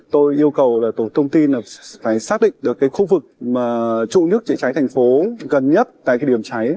tôi yêu cầu tổ thông tin phải xác định được khu vực trụ nước chữa cháy thành phố gần nhất tại điểm cháy